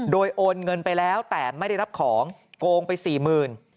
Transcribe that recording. โดยโอนเงินไปแล้วแต่ไม่ได้รับของโกงไปสี่หมื่น